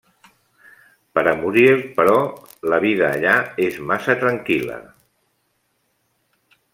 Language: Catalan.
Per a Muriel però, la vida allà és massa tranquil·la.